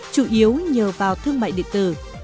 chủ yếu nhờ vào thương mại điện tử